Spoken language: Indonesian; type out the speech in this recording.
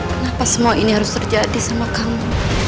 kenapa semua ini harus terjadi sama kamu